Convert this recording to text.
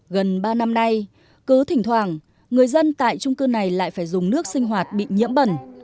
gần ba năm nay cứ thỉnh thoảng người dân tại trung cư này lại phải dùng nước sinh hoạt bị nhiễm bẩn